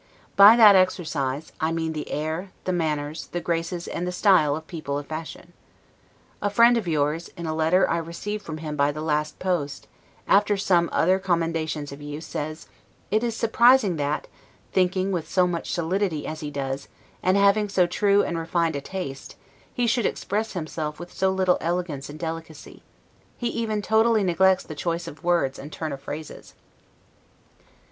By that exercise, I mean the air, the manners, the graces, and the style of people of fashion. A friend of yours, in a letter I received from him by the last post, after some other commendations of you, says, "It is surprising that, thinking with so much solidity as he does, and having so true and refined a taste, he should express himself with so little elegance and delicacy. He even totally neglects the choice of words and turn of phrases."